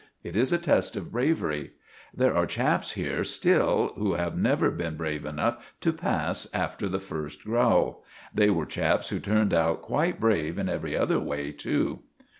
It is a test of bravery. There are chaps here still who have never been brave enough to pass after the first growl. They were chaps who turned out quite brave in every other way, too."